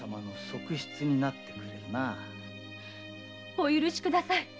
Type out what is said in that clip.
お許しください。